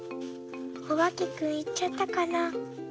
おばけくんいっちゃったかな？